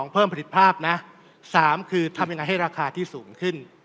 เพิ่มผลิตภาพนะ๓คือทำยังไงให้ราคาที่สูงขึ้น